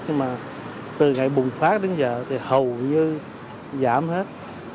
nhưng mà từ ngày bùng phát đến giờ thì hầu như giảm hết